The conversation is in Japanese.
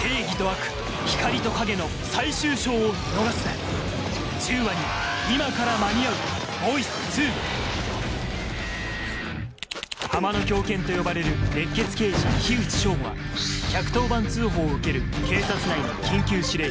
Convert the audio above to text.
正義と悪光と影の最終章を見逃すな「ハマの狂犬」と呼ばれる熱血刑事口彰吾は１１０番通報を受ける警察内の緊急指令室